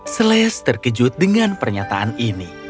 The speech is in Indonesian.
seles terkejut dengan pernyataan ini